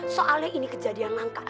soalnya ini kejadian langka